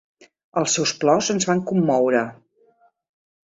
Els seus plors ens van commoure.